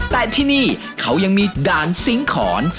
แต่ที่นี่เขายังมีด่านซิงค์ขอน